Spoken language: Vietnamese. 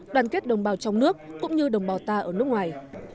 đoàn kết đồng bào trong nước cũng như đồng bào ta ở nước ngoài